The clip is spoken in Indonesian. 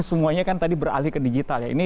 semuanya kan tadi beralih ke digital ya ini